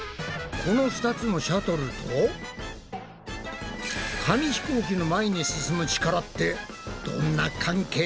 この２つのシャトルと紙ひこうきの前に進む力ってどんな関係があるんだ？